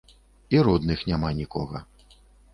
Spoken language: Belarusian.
І родных няма нікога.